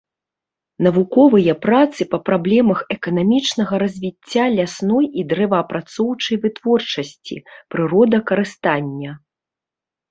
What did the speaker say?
Навуковыя працы па праблемах эканамічнага развіцця, лясной і дрэваапрацоўчай вытворчасці, прыродакарыстання.